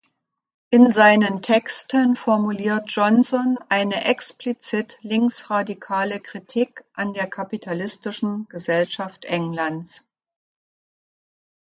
In seinen Texten formuliert Johnson eine explizit linksradikale Kritik an der kapitalistischen Gesellschaft Englands.